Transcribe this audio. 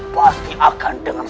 pasti akan dengan